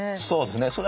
そうですね。